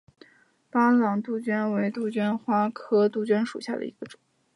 巴朗杜鹃为杜鹃花科杜鹃属下的一个种。